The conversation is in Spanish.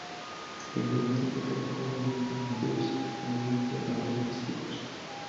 Pero al mismo tiempo tenían como vecinos y antiguos enemigos a los mixtecos.